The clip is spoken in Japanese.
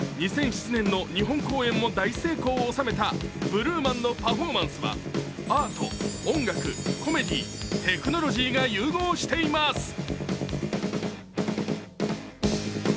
２００７年の日本公演も大成功を収めたＢＬＵＥＭＡＮのパフォーマンスはアート、音楽、コメディー、テクノロジーが融合しています。